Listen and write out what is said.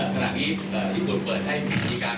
ขณะนี้ญี่ปุ่นเปิดให้มีอินมีอย่าง